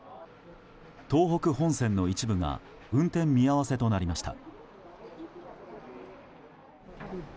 東北本線の一部が運転見合わせとなりました。